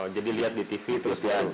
jadi lihat di tv terus